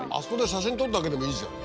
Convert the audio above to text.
写真撮るだけでもいいじゃん。